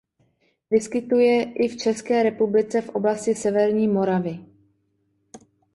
Vyskytuje i v České republice v oblasti severní Moravy.